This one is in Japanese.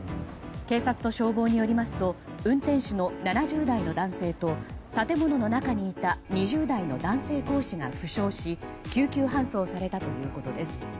警察と消防によりますと運転手の７０代の男性と建物の中にいた２０代の男性講師が負傷し救急搬送されたということです。